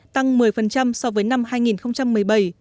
tăng một mươi so với năm hai nghìn một mươi bảy